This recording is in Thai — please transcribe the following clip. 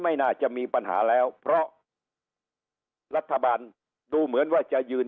ไม่น่าจะมีปัญหาแล้วเพราะรัฐบาลดูเหมือนว่าจะยืน